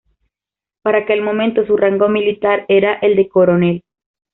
Para aquel momento su rango militar era el de coronel.